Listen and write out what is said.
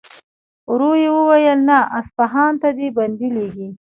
ورو يې وويل: نه! اصفهان ته دې بندې لېږي.